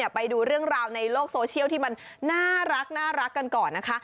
ไปดูเรื่องราวในโลกโซเชียลที่มันน่ารักกันก่อนนะคะ